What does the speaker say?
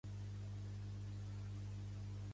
Vull canviar rúnic a català.